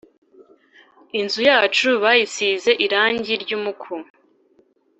inzu wacu bayisize irangi ryumuku